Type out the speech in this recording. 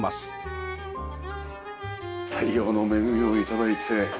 太陽の恵みを頂いて。